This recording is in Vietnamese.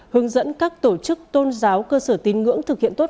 hướng dẫn các tổ chức tôn giáo cơ sở tin ngưỡng thực hiện tốt